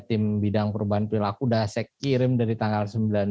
tim bidang perubahan perilaku sudah saya kirim dari tanggal sembilan belas